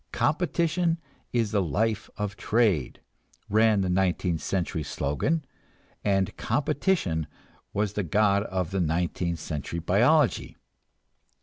"Competition is the life of trade," ran the nineteenth century slogan; and competition was the god of nineteenth century biology.